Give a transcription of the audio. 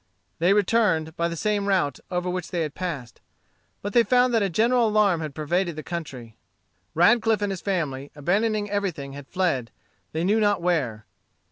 They returned, by the same route over which they had passed. But they found that a general alarm had pervaded the country, Radcliff and his family, abandoning everything, had fled, they knew not where.